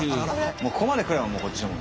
もうここまでくればもうこっちのもん。